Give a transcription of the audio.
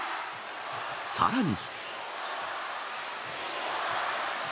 さらに。